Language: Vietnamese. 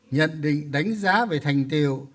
nhận định đánh giá về thành tiêu